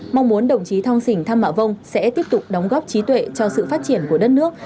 mong muốn đồng chí thong sỉnh thăm mạ vông sẽ tiếp tục đóng góp trí tuệ cho sự phát triển của đất nước